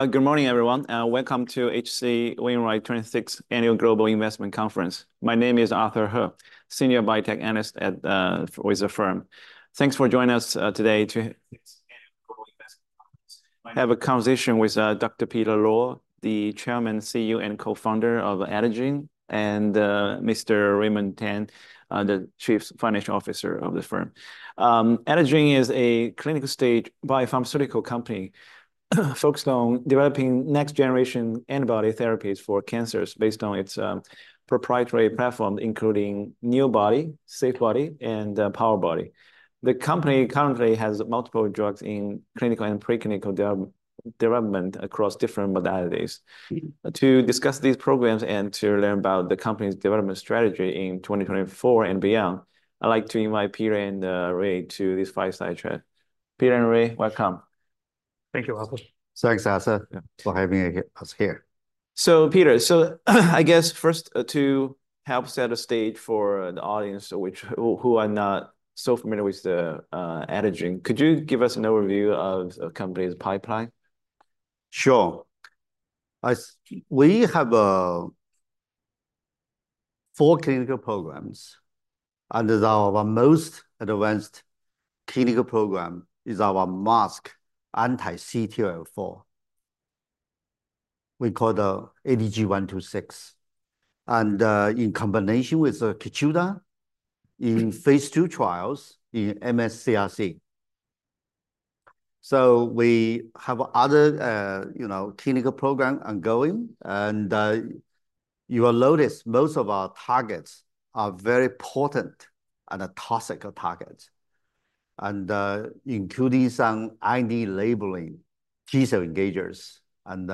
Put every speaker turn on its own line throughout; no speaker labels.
Good morning, everyone, and welcome to H.C. Wainwright twenty-sixth Annual Global Investment Conference. My name is Arthur He, Senior Biotech Analyst with the firm. Thanks for joining us today to have a conversation with Dr. Peter Luo, the chairman, CEO, and co-founder of Adagene, and Mr. Raymond Tan, the Chief Financial Officer of the firm. Adagene is a clinical-stage biopharmaceutical company focused on developing next-generation antibody therapies for cancers based on its proprietary platform, including NEObody, SAFEbody, and POWERbody. The company currently has multiple drugs in clinical and preclinical development across different modalities. To discuss these programs and to learn about the company's development strategy in twenty twenty-four and beyond, I'd like to invite Peter and Ray to this fireside chat. Peter and Ray, welcome.
Thank you, Arthur. Thanks, Arthur, for having us here.
Peter, so I guess first, to help set the stage for the audience who are not so familiar with Adagene, could you give us an overview of the company's pipeline?
Sure. We have four clinical programs, and our most advanced clinical program is our masked anti-CTLA-4. We call it ADG126. And in combination with Keytruda, in phase 2 trials in MSS CRC. So we have other, you know, clinical programs ongoing, and you will notice most of our targets are very potent and toxic targets, and including some CD3-binding T-cell engagers, and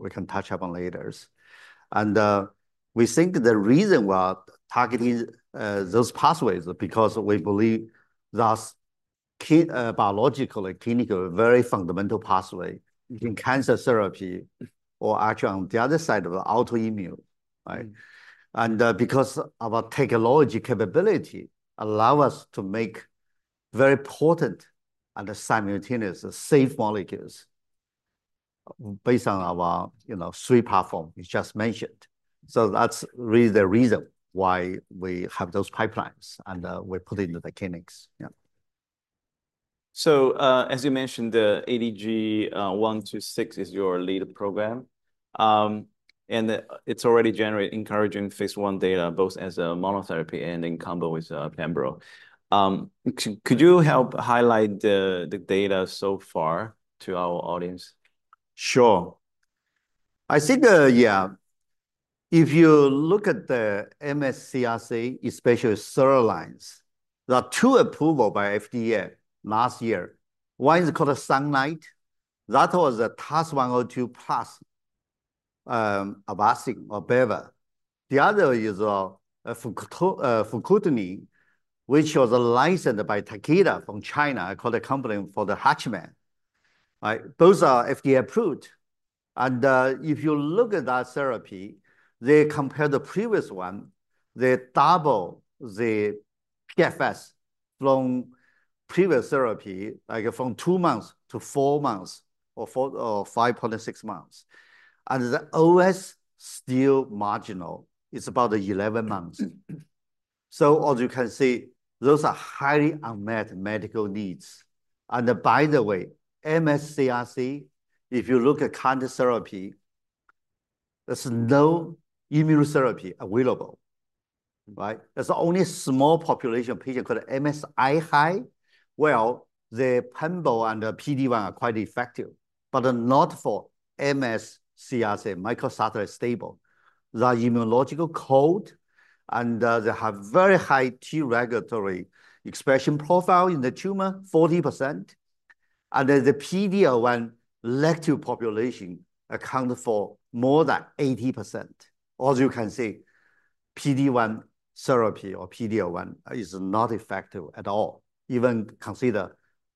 we can touch upon later. And we think the reason we're targeting those pathways because we believe this key biological and clinical very fundamental pathway in cancer therapy, or actually on the other side of autoimmune, right? And because our technology capability allow us to make very potent and simultaneously safe molecules based on our, you know, three platforms you just mentioned. So that's really the reason why we have those pipelines, and we put it into the clinics. Yeah.
So, as you mentioned, the ADG126 is your lead program. And, it's already generate encouraging phase 1 data, both as a monotherapy and in combo with pembro. Could you help highlight the data so far to our audience?
Sure. I think, yeah, if you look at the MSS CRC, especially second-line, there are two approval by FDA last year. One is called the Lonsurf. That was a TAS-102 plus Avastin or Beva. The other is fruquintinib, which was licensed by Takeda from HUTCHMED. Right, those are FDA-approved. And if you look at that therapy, they compare the previous one, they double the PFS from previous therapy, like from two months to four months, or four, or 5.6 months. And the OS, still marginal, is about 11 months. So as you can see, those are highly unmet medical needs. And by the way, MSS CRC, if you look at current therapy, there's no immunotherapy available, right? There's only small population patient called MSI-high. The pembro and the PD-1 are quite effective, but not for MSS CRC, microsatellite stable. The immunologically cold, and they have very high T-regulatory expression profile in the tumor, 40%, and then the PD-L1 positive population accounted for more than 80%. As you can see, PD-1 therapy or PD-L1 is not effective at all, even considering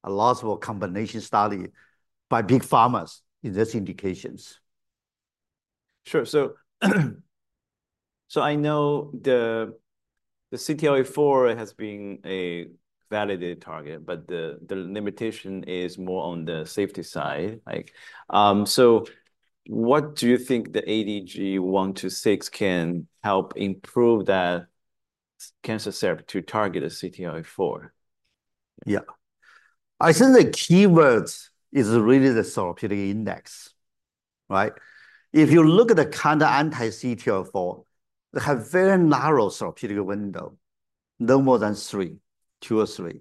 a lot of combination studies by big pharmas in these indications.
Sure. So, I know the CTLA-4 has been a validated target, but the limitation is more on the safety side, like, so what do you think the ADG126 can help improve that cancer therapy to target a CTLA-4?
Yeah. I think the keyword is really the therapeutic index, right? If you look at the kind of anti-CTLA-4, they have very narrow therapeutic window, no more than three, two or three.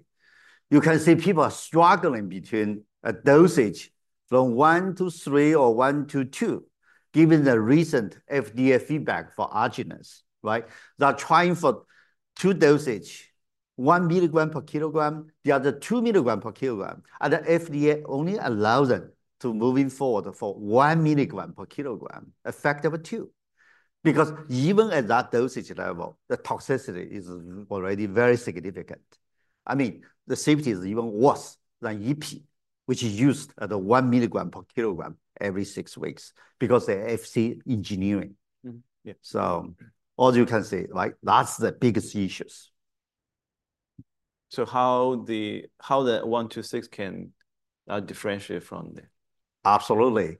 You can see people are struggling between a dosage from one to three or one to two, given the recent FDA feedback for botensilimab, right? They are trying for two dosage, one milligram per kilogram, the other two milligram per kilogram, and the FDA only allow them to moving forward for one milligram per kilogram, effective two. Because even at that dosage level, the toxicity is already very significant. I mean, the safety is even worse than Ipi, which is used at a one milligram per kilogram every six weeks because the Fc engineering.
Mm-hmm. Yeah.
So as you can see, like, that's the biggest issues....
So how the ADG126 can differentiate from the?
Absolutely.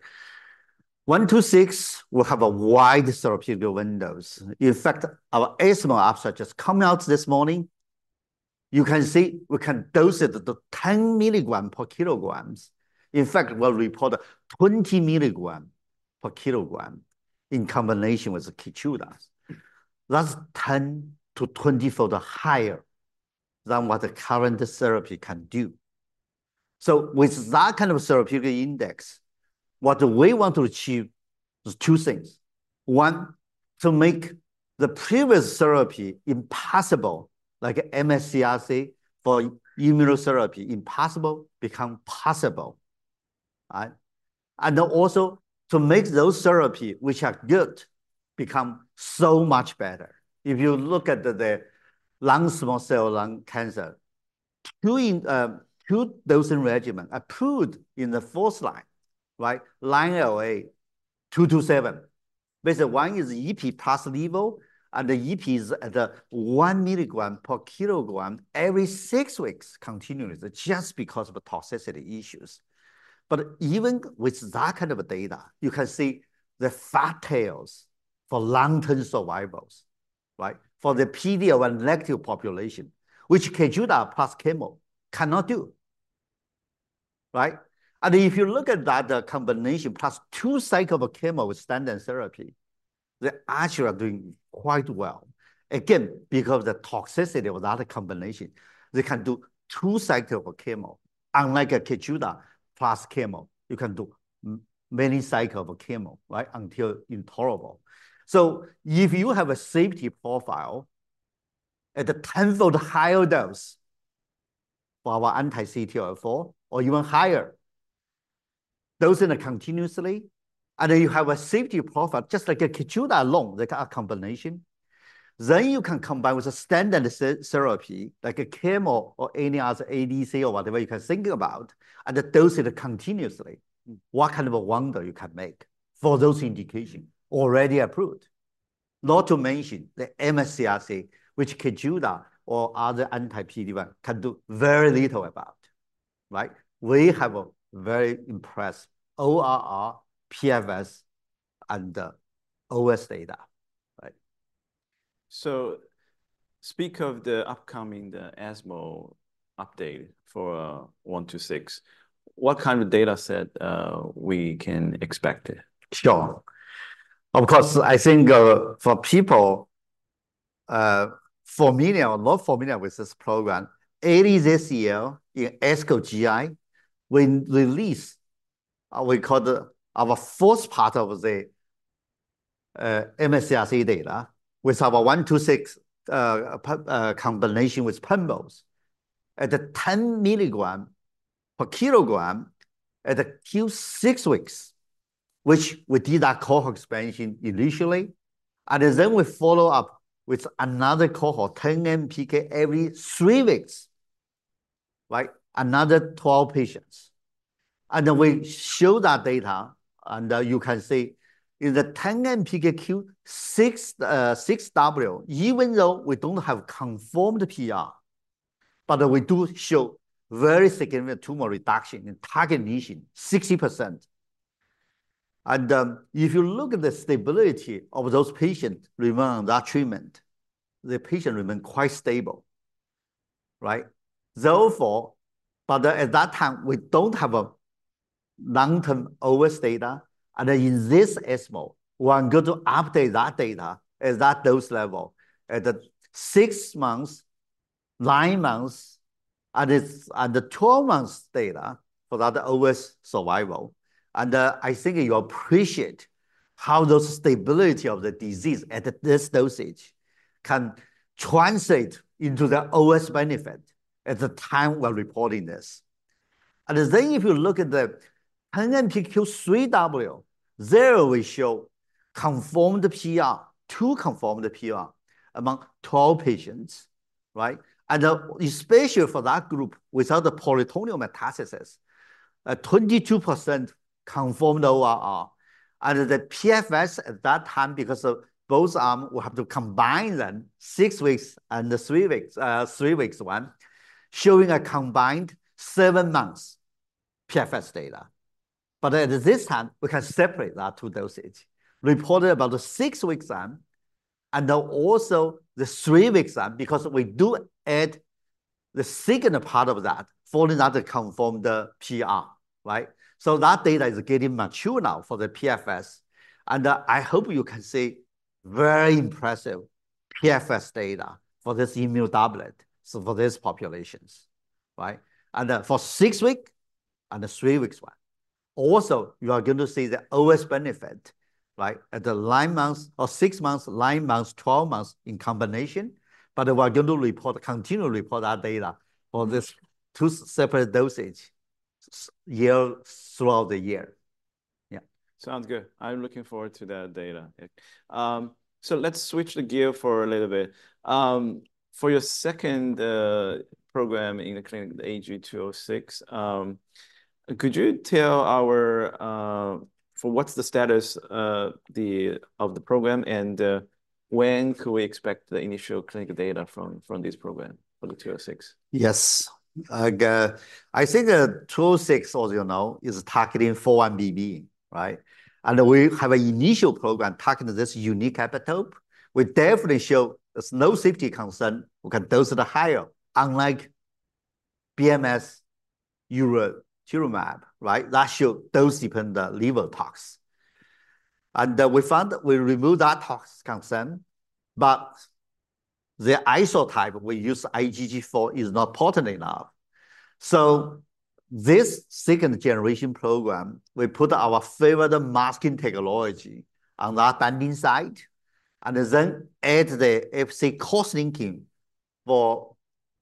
126 will have a wide therapeutic windows. In fact, our asthma abstract just come out this morning. You can see we can dose it to 10 milligrams per kilogram. In fact, we'll report a 20 milligrams per kilogram in combination with Keytruda. That's 10- to 20-fold higher than what the current therapy can do. So with that kind of therapeutic index, what we want to achieve is two things: One, to make the previous therapy impossible, like MSCRC for immunotherapy, impossible become possible. Right? And then also to make those therapy, which are good, become so much better. If you look at the lung, small cell lung cancer, doing two dosing regimen approved in the first line, right? ADG 227. Basically, one is EP plus level, and the EP is at a one milligram per kilogram every six weeks continuously, just because of the toxicity issues. But even with that kind of data, you can see the fat tails for long-term survivals, right? For the PD of an elective population, which Keytruda plus chemo cannot do, right? And if you look at that, the combination plus two cycle of chemo with standard therapy, they actually are doing quite well. Again, because the toxicity of that combination, they can do two cycle of chemo, unlike a Keytruda plus chemo, you can do many cycle of a chemo, right? Until intolerable. So if you have a safety profile at the tenth of the higher dose for our anti-CTLA-4, or even higher, dosing it continuously, and then you have a safety profile, just like a Keytruda alone, like a combination, then you can combine with a standard therapy, like a chemo or any other ADC or whatever you can think about, and then dose it continuously. What kind of a wonder you can make for those indication already approved? Not to mention the MSCRC, which Keytruda or other anti-PD-1 can do very little about, right? We have a very impressive ORR, PFS, and OS data, right.
Speaking of the upcoming ESMO update for ADG126. What kind of data set can we expect?
Sure. Of course, I think, for people, familiar or not familiar with this program, early this year, in ASCO GI, we release, we call the, our first part of the, MSCRC data with our one, two, six, pembro combination with pembro. At the 10 milligram per kilogram, at the Q6 weeks, which we did that cohort expansion initially, and then we follow up with another cohort, 10 MPK, every three weeks, like another 12 patients. And then we show that data, and, you can see in the 10 MPK Q6, 6W, even though we don't have confirmed PR, but we do show very significant tumor reduction in target lesion, 60%. And, if you look at the stability of those patients remain on that treatment, the patient remain quite stable, right? Therefore, but at that time, we don't have a long-term OS data, and in this ESMO, we are going to update that data at that dose level. At the six months, nine months, and the 12 months data for that OS survival, and I think you appreciate how the stability of the disease at this dosage can translate into the OS benefit at the time we're reporting this. Then if you look at the ADG126 Q3W, there we show confirmed PR, two confirmed PR, among 12 patients, right? And especially for that group without the peritoneal metastasis, 22% confirmed ORR. And the PFS at that time, because of both arms, we have to combine them, six weeks and the three weeks, three weeks one, showing a combined seven months PFS data. But at this time, we can separate those two dosages reported about the six-week arm, and then also the three-week arm, because we do add the second part of that for another confirmed PR, right? So that data is getting mature now for the PFS, and I hope you can see very impressive PFS data for this immunotherapy, so for these populations, right? And for six week and the three weeks one. Also, you are going to see the OS benefit, right, at the nine months or six months, nine months, twelve months in combination, but we are going to report, continue to report that data for these two separate dosages this year, throughout the year....
Yeah, sounds good. I'm looking forward to that data. So let's switch gears for a little bit. For your second program in the clinic, the ADG206, could you tell us what's the status of the program, and when could we expect the initial clinical data from this program for the 206?
Yes. I think the 206, as you know, is targeting 4-1BB, right? And we have an initial program targeting this unique epitope, which definitely shows there's no safety concern. We can dose it higher, unlike BMS Urelumab, right? That shows dose-dependent liver tox. And we found that we removed that tox concern, but the isotype we use, IgG4, is not potent enough. So this second-generation program, we put our favored masking technology on that binding site, and then add the Fc cross-linking for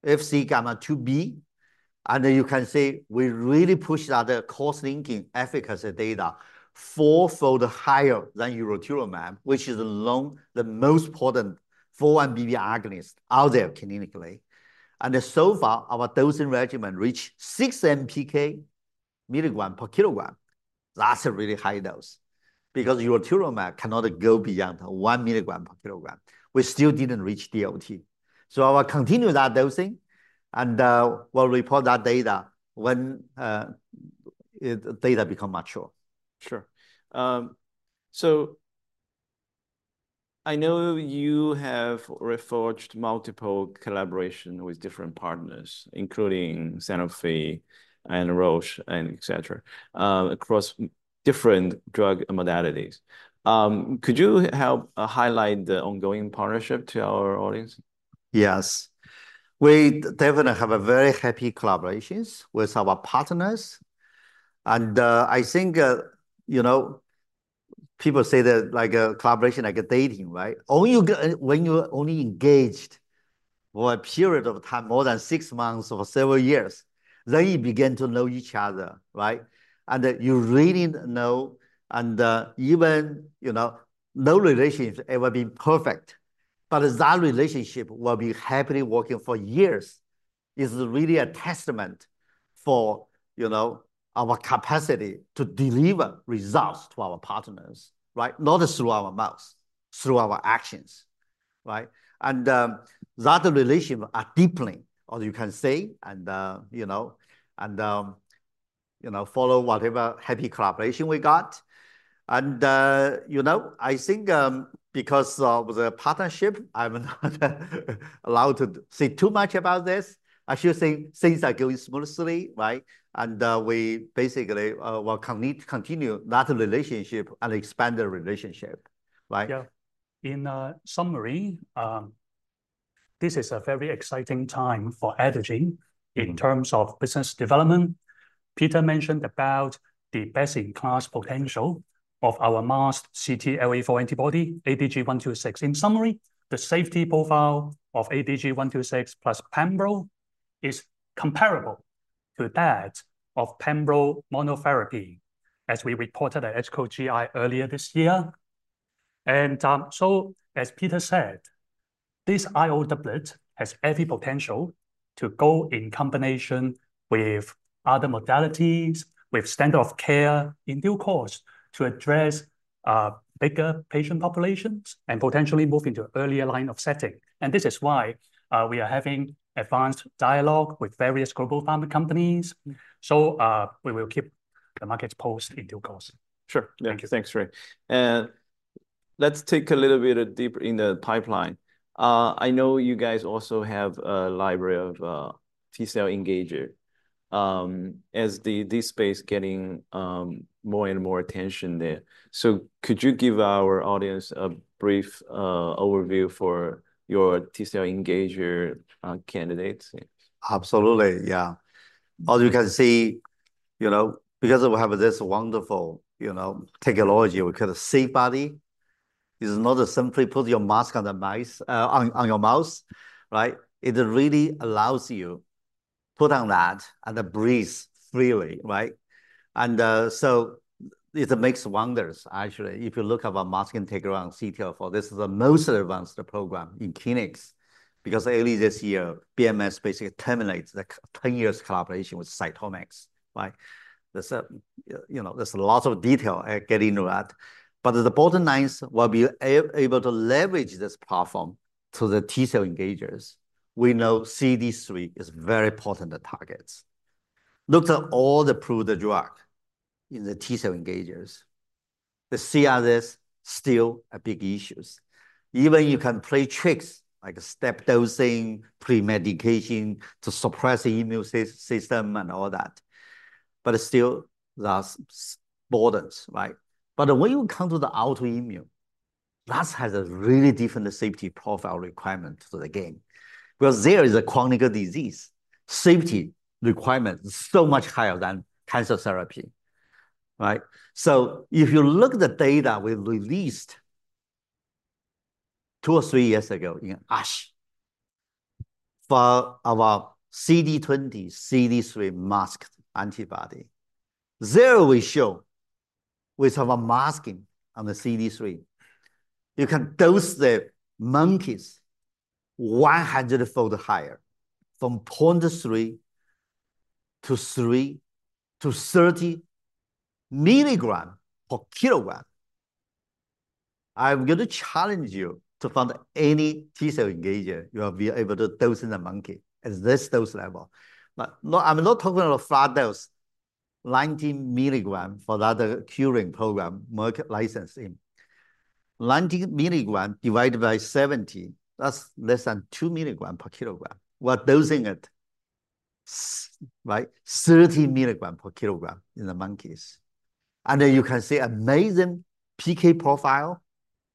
Fc gamma RIIb. And you can see we really pushed out the cross-linking efficacy data fourfold higher than Urelumab, which is the most potent 4-1BB agonist out there clinically. And so far, our dosing regimen reached 6 mg/kg. That's a really high dose, because Urelumab cannot go beyond 1 mg/kg. We still didn't reach DLT. So I will continue that dosing, and we'll report that data when data become mature.
Sure. So I know you have forged multiple collaborations with different partners, including Sanofi and Roche, and et cetera, across different drug modalities. Could you help highlight the ongoing partnership to our audience?
Yes. We definitely have a very happy collaborations with our partners, and I think, you know, people say that, like, a collaboration like a dating, right? When you're only engaged for a period of time, more than six months or several years, then you begin to know each other, right? And you really know, and even, you know, no relationships ever been perfect. But as that relationship will be happily working for years, is really a testament for, you know, our capacity to deliver results to our partners, right? Not through our mouths, through our actions, right? And that relationship are deepening, as you can say, and you know, follow whatever happy collaboration we got. And you know, I think because of the partnership, I'm not allowed to say too much about this. I should say, things are going smoothly, right? And we basically will need to continue that relationship and expand the relationship, right?
Yeah. In summary, this is a very exciting time for Adagene-
Mm-hmm...
in terms of business development. Peter mentioned about the best-in-class potential of our masked CTLA-4 antibody, ADG126. In summary, the safety profile of ADG126 plus pembro is comparable to that of pembro monotherapy, as we reported at ASCO GI earlier this year, and so as Peter said, this IO doublet has every potential to go in combination with other modalities, with standard of care, in due course, to address, bigger patient populations and potentially move into an earlier line of setting, and this is why, we are having advanced dialogue with various global pharma companies, so we will keep the markets posted in due course.
Sure.
Thank you.
Thanks, Ray. And let's take a little bit deeper in the pipeline. I know you guys also have a library of T-cell engager, as this space getting more and more attention there. So could you give our audience a brief overview for your T-cell engager candidates?
Absolutely, yeah. As you can see, you know, because we have this wonderful, you know, technology, we call SAFEbody, is not simply put your mask on the mice, on your mouse, right? It really allows you put on that and then breathe freely, right? And, so it makes wonders, actually. If you look up our masking technology around CTLA-4, this is the most advanced program in clinics, because early this year, BMS basically terminates the ten years collaboration with CytomX, right? There's a, you know, there's a lot of detail, get into that. But the bottom line is, will be able to leverage this platform to the T-cell engagers. We know CD3 is very potent targets. Look at all the approved drug in the T-cell engagers. The CRS still a big issues. Even you can play tricks, like step dosing, pre-medication to suppress the immune system and all that, but still, that's borders, right? But when you come to the autoimmune, that has a really different safety profile requirement to the game, because there is a chronic disease. Safety requirement is so much higher than cancer therapy, right? So if you look at the data we've released two or three years ago in ASH, for our CD20, CD3 masked antibody. There we show with our masking on the CD3, you can dose the monkeys one hundredfold higher, from 0.3 to 3 to 30 milligram per kilogram. I'm going to challenge you to find any T-cell engager you have been able to dose in a monkey at this dose level. But no, I'm not talking about a flat dose, 90 milligram for the other curing program, market licensing. 90 milligrams divided by 70, that's less than 2 milligrams per kilogram. We're dosing it right, 30 milligrams per kilogram in the monkeys. You can see amazing PK profile,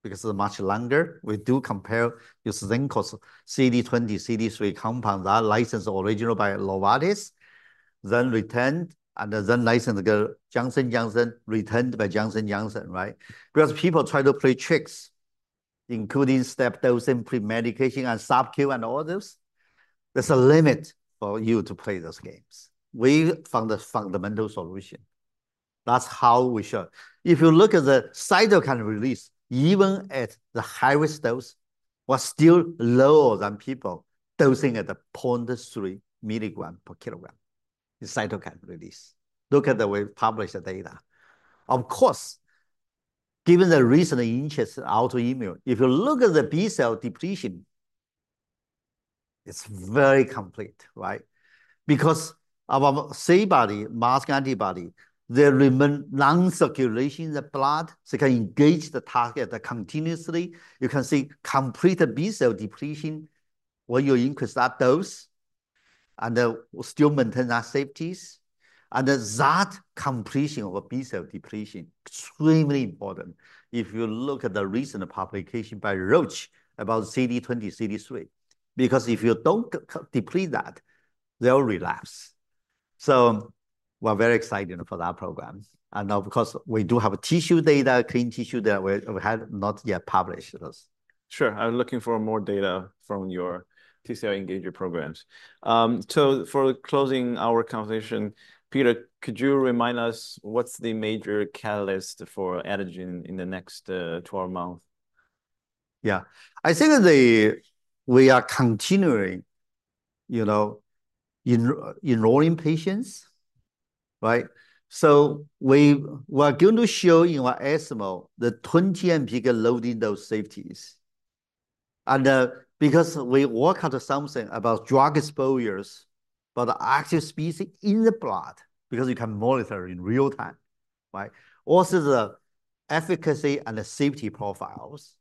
because it's much longer. We do compare this Xencor CD20, CD3 compounds are licensed originally by Novartis, then retained, and then licensed to Johnson & Johnson, retained by Johnson & Johnson, right? Because people try to play tricks, including step dosing, pre-medication, and sub-Q, and all this. There's a limit for you to play those games. We found a fundamental solution. That's how we show. If you look at the cytokine release, even at the highest dose, was still lower than people dosing at the 0.3 milligrams per kilogram, the cytokine release. Look at the way we've published the data. Of course, given the recent interest in autoimmune, if you look at the B-cell depletion, it's very complete, right? Because our SAFEbody masked antibody, they have long circulation in the blood, so they can engage the target continuously. You can see complete B-cell depletion when you increase that dose, and they still maintain our safety. And that completion of a B-cell depletion, extremely important. If you look at the recent publication by Roche about CD20, CD3, because if you don't completely deplete that, they'll relapse, so we're very excited for that program, and now, because we do have tissue data, clean tissue data, we have not yet published this.
Sure, I'm looking for more data from your TCR engager programs. So for closing our conversation, Peter, could you remind us what's the major catalyst for Adagene in the next twelve months?
Yeah. I think that the, we are continuing, you know, enrolling patients, right? So we are going to show in our ESMO the 20 MPK loading those safeties. And because we work out something about drug exposures for the active species in the blood, because you can monitor in real time, right? Also, the efficacy and the safety profiles,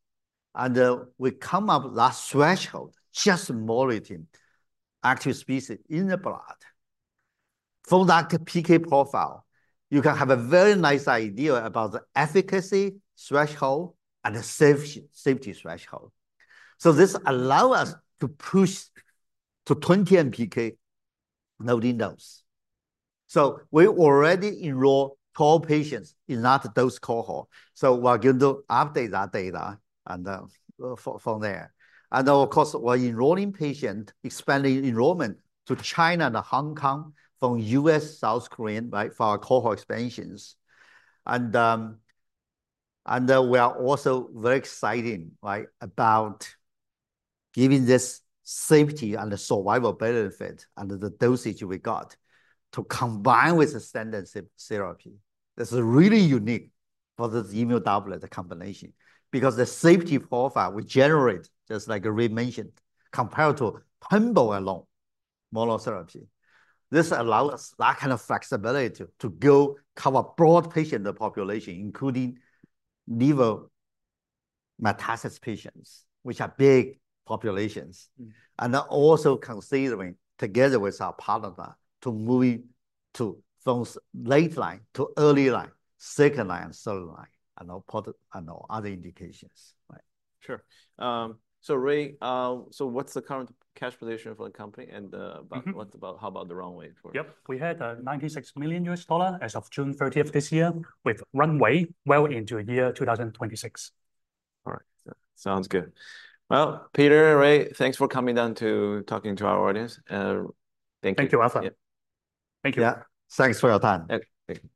and we come up that threshold, just monitoring active species in the blood. For that PK profile, you can have a very nice idea about the efficacy threshold and the safety threshold. So this allow us to push to 20 MPK loading dose. So we already enroll 12 patients in that dose cohort, so we are going to update that data and from there. Of course, we're enrolling patients, expanding enrollment to China and Hong Kong, from U.S., South Korea, right, for our cohort expansions. We are also very excited, right, about giving this safety and the survival benefit and the data we got to combine with the standard therapy. This is really unique for this immunotherapy, the combination, because the safety profile we generate, just like Ray mentioned, compared to pembro alone, monotherapy. This allows us that kind of flexibility to cover broad patient population, including liver metastasis patients, which are big populations.
Mm.
Are also considering, together with our partner, to move it from late line to early line, second line, and third line, and other indications. Right.
Sure. Ray, what's the current cash position for the company, and?
Mm-hmm...
how about the runway for it?
Yep. We had $96 million as of June thirtieth this year, with runway well into 2026.
All right. Sounds good. Peter, Ray, thanks for coming down to talk to our audience. Thank you.
Thank you, Arthur.
Yeah.
Thank you.
Yeah. Thanks for your time.
Okay. Thank you.